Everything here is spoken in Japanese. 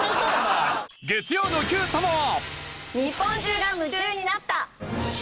月曜の『Ｑさま！！』は。